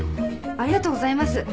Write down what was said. ありがとうございます。